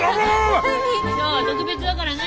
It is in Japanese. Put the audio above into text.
今日は特別だからね。